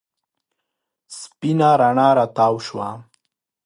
سپېنه رڼا راتاو شوه.